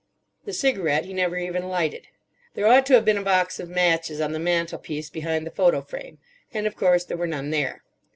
The cigarette he never even lighted. There ought to have been a box of matches on the mantelpiece behind the photo frame. And of course there were none there.